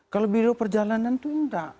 kalau bidang perjalanan itu tidak